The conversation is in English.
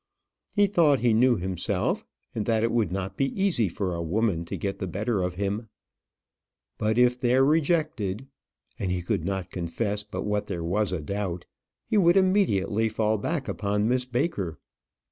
He thought he knew himself, and that it would not be easy for a woman to get the better of him. But if there rejected and he could not confess but what there was a doubt he would immediately fall back upon Miss Baker.